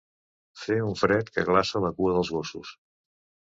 Fer un fred que glaça la cua dels gossos.